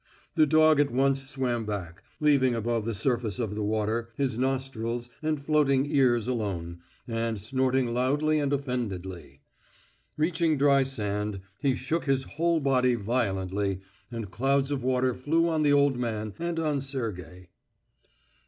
The dog at once swam back, leaving above the surface of the water his nostrils and floating ears alone, and snorting loudly and offendedly. Reaching dry sand, he shook his whole body violently, and clouds of water flew on the old man and on Sergey.